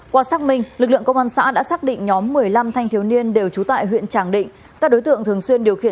qua xác minh lực lượng công an xã đã xác định nhóm một mươi năm thanh thiếu niên đều trú tại huyện tràng định